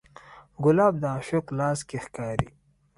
ګلاب د عاشق لاس کې ښکاري.